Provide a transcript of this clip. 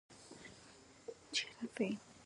د پښتورګو د شګو لپاره د هندواڼې او لیمو ګډول وڅښئ